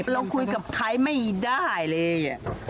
เราคุยกับใครไม่ได้เลย